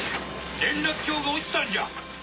⁉連絡橋が落ちたんじゃ！